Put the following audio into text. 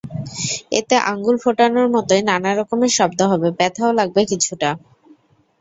এতে আঙুল ফোটানোর মতোই নানা রকমের শব্দ হবে, ব্যথাও লাগবে কিছুটা।